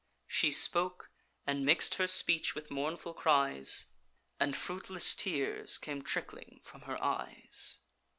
She spoke; and mix'd her speech with mournful cries, And fruitless tears came trickling from her eyes.